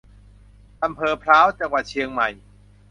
อำเภอพร้าว จังหวัดเชียงใหม่